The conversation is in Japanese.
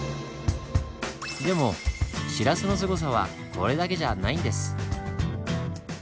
でもシラスのすごさはこれだけじゃないんです！